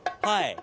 はい。